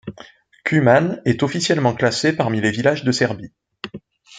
Kumane est officiellement classé parmi les villages de Serbie.